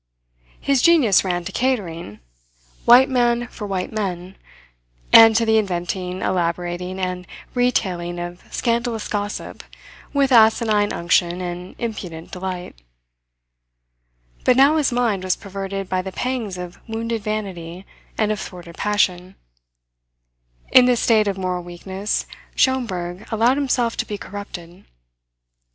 His genius ran to catering, "white man for white men" and to the inventing, elaborating, and retailing of scandalous gossip with asinine unction and impudent delight. But now his mind was perverted by the pangs of wounded vanity and of thwarted passion. In this state of moral weakness Schomberg allowed himself to be corrupted.